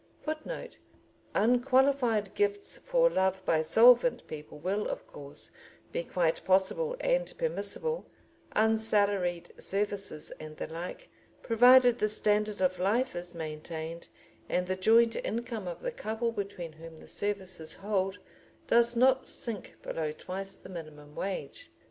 [Footnote: Unqualified gifts for love by solvent people will, of course, be quite possible and permissible, unsalaried services and the like, provided the standard of life is maintained and the joint income of the couple between whom the services hold does not sink below twice the minimum wage.